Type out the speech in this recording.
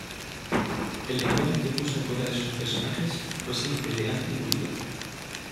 El lenguaje que puso en boca de sus personajes, fue siempre elegante y pulido.